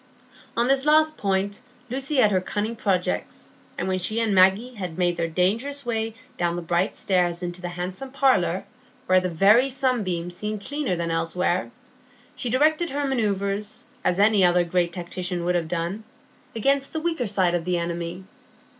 On this last point Lucy had her cunning projects, and when she and Maggie had made their dangerous way down the bright stairs into the handsome parlour, where the very sunbeams seemed cleaner than elsewhere, she directed her manœuvres, as any other great tactician would have done, against the weaker side of the enemy.